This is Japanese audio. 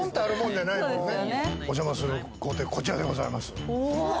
お邪魔する豪邸、こちらでございます。